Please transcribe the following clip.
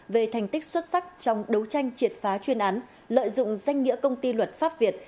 về thành tích xuất sắc trong đấu tranh triệt phá chuyên án lợi dụng danh nghĩa công ty luật pháp việt